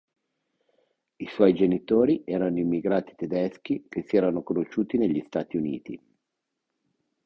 I suoi genitori erano immigrati tedeschi che si erano conosciuti negli Stati Uniti.